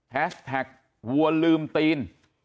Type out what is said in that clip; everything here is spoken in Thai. แท็กวัวลืมตีน